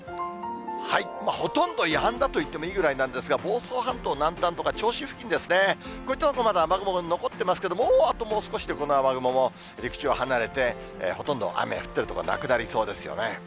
ほとんどやんだといってもいいぐらいなんですが、房総半島南端とか、銚子付近ですね、こういった所、まだ雨雲が残ってますけれども、もうあともう少しでこの雨雲も、陸地を離れて、ほとんど雨、降っている所なくなりそうですよね